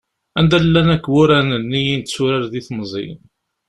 Anda llan akk wuraren-nni i netturar di temẓi?